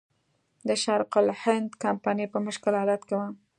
د شرق الهند کمپنۍ په مشکل حالت کې وه.